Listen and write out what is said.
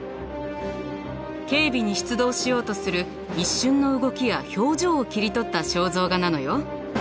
警備に出動しようとする一瞬の動きや表情を切り取った肖像画なのよ。